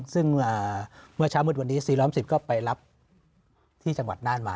ซึ่งเมื่อเช้ามืดวันนี้๔๑๐ก็ไปรับที่จังหวัดน่านมา